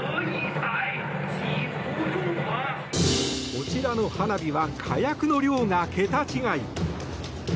こちらの花火は火薬の量が桁違い。